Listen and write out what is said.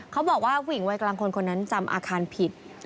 เขาบอกว่าผู้หญิงวัยกลางคนคนนั้นจำอาคารผิด